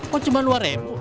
kok cuma rp dua